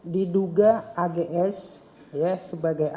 diduga ags sebagai ags